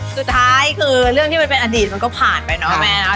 สุดท้ายคือเรื่องที่มันเป็นอดีตมันก็ผ่านไปเนาะแม่นะ